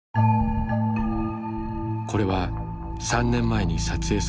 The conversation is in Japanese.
これは３年前に撮影された写真。